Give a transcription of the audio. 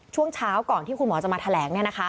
ช่วงเช้าก่อนที่คุณหมอจะมาแถลง